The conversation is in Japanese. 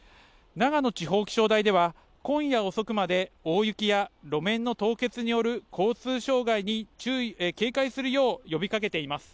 長野地方気象台では、今夜遅くまで大雪や路面の凍結による交通障害に警戒するよう呼びかけています。